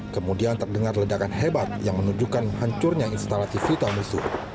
kemudian terdengar ledakan hebat yang menunjukkan hancurnya instalasi vital musuh